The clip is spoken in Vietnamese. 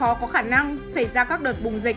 do đó sẽ rất khó có khả năng xảy ra các đợt bùng dịch